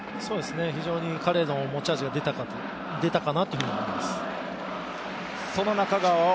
非常に彼の持ち味が出たかなというふうに思います。